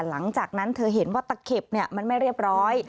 หลังจากนั้นเธอเห็นว่าตะเข็บมันไม่เรียบร้อย